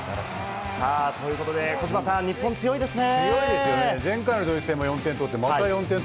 ということで、児嶋さん、日本強いですね。